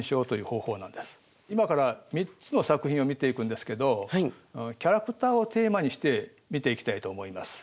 今から３つの作品を見ていくんですけどキャラクターをテーマにして見ていきたいと思います。